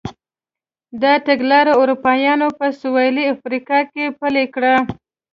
دا تګلاره اروپایانو په سوېلي افریقا کې پلې کړه.